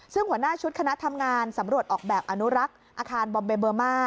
ซึ่งหัวหน้าชุดคณะทำงานสำรวจออกแบบอนุรักษ์อาคารบอมเบเบอร์มา